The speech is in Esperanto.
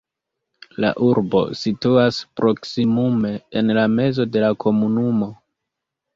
La urbo situas proksimume en la mezo de la komunumo.